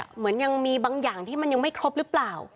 เหมือนยังมีบางอย่างที่มันยังไม่ครบหรือเปล่า